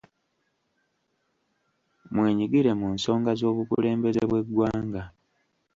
Mwenyigire mu nsonga z’obukulembeze bw’eggwanga.